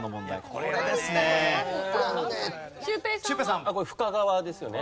これ深川ですよね。